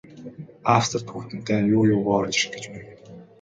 Австрид Хүйтэн дайн юу юугүй орж ирэх гэж байв.